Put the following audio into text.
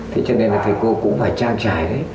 thế cho nên là thầy cô cũng phải trang trải đấy